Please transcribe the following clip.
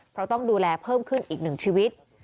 เพราะต้องดูแลเพิ่มขึ้นอีกหนึ่งชีวิต